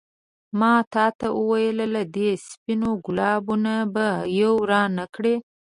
ما تا ته وویل له دې سپينو ګلابو نه به یو رانه کړې.